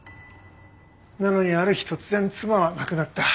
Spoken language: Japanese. なのにある日突然妻は亡くなった。